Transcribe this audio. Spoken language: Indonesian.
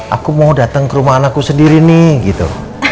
aku mau datang ke rumah anakku sendiri nih gitu